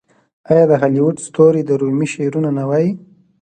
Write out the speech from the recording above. آیا د هالیووډ ستوري د رومي شعرونه نه وايي؟